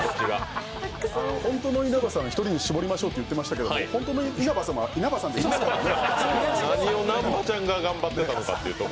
本当の稲葉さんを１人に絞りましょうって言ってましたけど本当の稲葉さんは稲葉さんでいますからね。